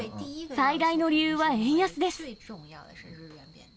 最大の理由は円安です。